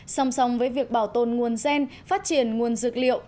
song song với việc bảo tồn nguồn gen phát triển nguồn dược liệu